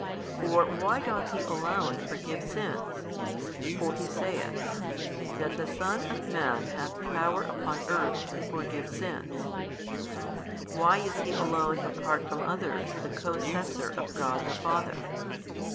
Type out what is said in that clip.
Or why doth He Alone forgive sins? for He saith, That the Son of Man hath power upon earth to forgive sins. Why is He Alone apart from others the Co sessor of God the Father?